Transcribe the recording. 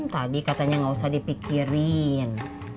tadi katanya nggak usah dipikirin